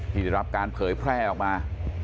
ที่ได้รับการเผยผ่านมา